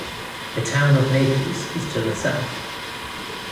The Town of Naples is to the south.